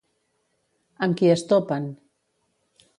Amb qui es topen?